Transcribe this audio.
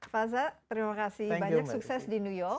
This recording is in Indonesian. faza terima kasih banyak sukses di new york